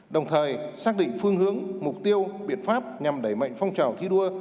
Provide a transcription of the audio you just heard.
đồng thời xác định phương hướng mục tiêu biện pháp nhằm đẩy mạnh phong trào thi đua